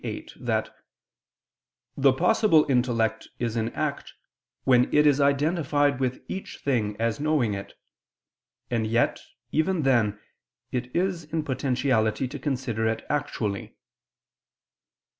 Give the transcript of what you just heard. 8) that "the possible intellect is in act when it is identified with each thing as knowing it; and yet, even then, it is in potentiality to consider it actually."